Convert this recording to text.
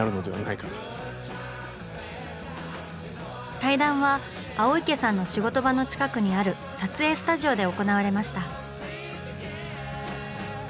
対談は青池さんの仕事場の近くにある撮影スタジオで行われました。